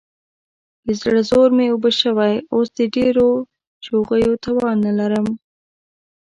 د زړه زور مې اوبه شوی، اوس دې د ډېرو شوخیو توان نه لرم.